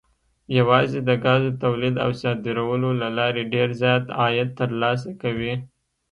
یوازې د ګازو تولید او صادرولو له لارې ډېر زیات عاید ترلاسه کوي.